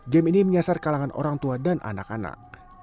game ini menyasar kalangan orang tua dan anak anak